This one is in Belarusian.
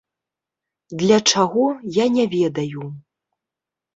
Для чаго, я не ведаю.